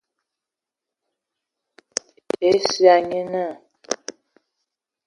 Esia nye naa.